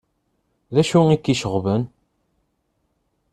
D acu i k-iceɣben?